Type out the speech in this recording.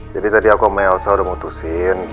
jadi tadi aku sama elsa udah mutusin